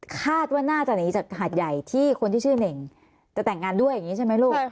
คาดว่าน่าจะหนีจากหาดใหญ่ที่คนที่ชื่อเน่งจะแต่งงานด้วยอย่างนี้ใช่ไหมลูก